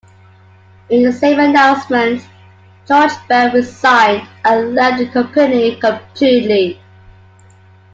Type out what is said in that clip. In the same announcement, George Bell resigned and left the company completely.